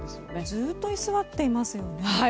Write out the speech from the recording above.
ずっと居座っていますよね。